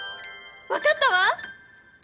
わかったわ！